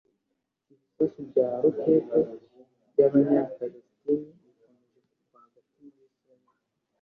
Ibisasu bya rokete by’abanye Palestine bikomeje kugwa hagati muri Israel